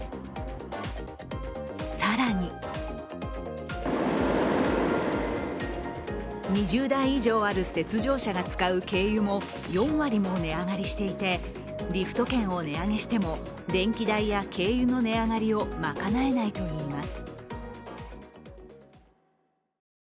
更に２０台以上ある雪上車が使う軽油も４割も値上がりしていてリフト券を値上げしても電気代や軽油の値上がりを賄えないといいます。